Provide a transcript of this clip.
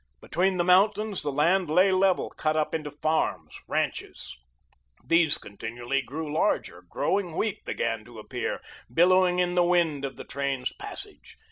Between the mountains the land lay level, cut up into farms, ranches. These continually grew larger; growing wheat began to appear, billowing in the wind of the train's passage.